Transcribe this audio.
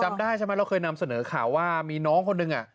จำได้ใช่ไหมเราเคยนำเสนอข่าวว่ามีน้องคนหนึ่ง